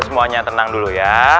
semuanya tenang dulu ya